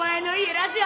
ラジオ？